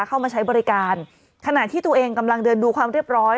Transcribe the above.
เข้ามาใช้บริการขณะที่ตัวเองกำลังเดินดูความเรียบร้อย